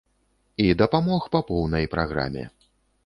І дапамог па поўнай праграме.